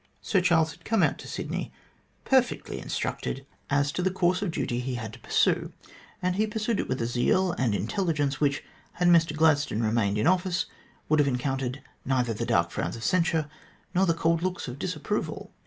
Sir Charles had come out to Sydney perfectly instructed as to the 60 THE GLADSTONE COLONY course of duty he had to pursue, and he pursued it with a zeal and intelligence which, had Mr Gladstone remained in office, would have encountered neither the dark frowns of censure nor the cold looks of disapproval.